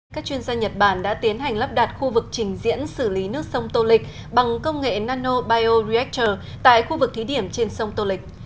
các chuyên gia nhật bản đã tiến hành lắp đặt khu vực trình diễn xử lý nước sông tô lịch bằng công nghệ nanobio reactor tại khu vực thí điểm trên sông tô lịch